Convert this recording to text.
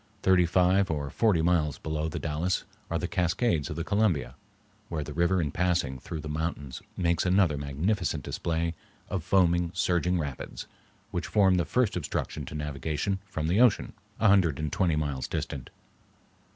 Thirty five or forty miles below the Dalles are the Cascades of the Columbia, where the river in passing through the mountains makes another magnificent display of foaming, surging rapids, which form the first obstruction to navigation from the ocean, a hundred and twenty miles distant.